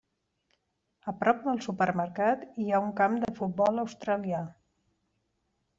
A prop del supermercat hi ha un camp de futbol australià.